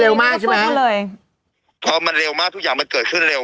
มากใช่ไหมพอมันเร็วมากทุกอย่างมันเกิดขึ้นเร็ว